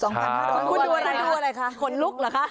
คุณดูอะไรคะขนลุกเหรอคะ